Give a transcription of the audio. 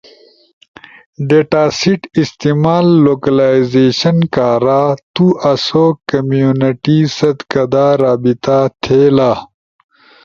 ڈیٹاسیٹ استعمال لوکلائزیشن کارا، تو آسو کمیونٹی ست کدا رابطہ تھئیلا۔